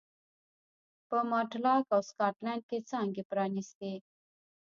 په ماټلاک او سکاټلنډ کې څانګې پرانېستې.